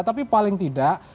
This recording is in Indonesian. tapi paling tidak